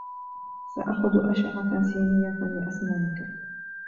سأخذ أشعة سينية لأسنانك.